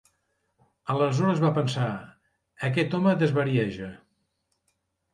Aleshores va pensar: aquest home desvarieja